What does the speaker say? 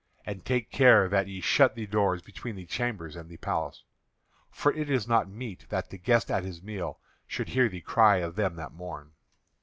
And take care that ye shut the doors between the chambers and the palace; for it is not meet that the guest at his meal should hear the cry of them that mourn."